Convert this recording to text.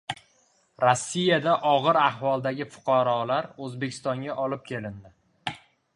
Rossiyada og‘ir ahvoldagi fuqarolar O‘zbekistonga olib kelindi